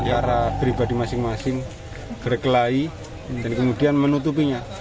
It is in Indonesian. para pribadi masing masing berkelahi dan kemudian menutupinya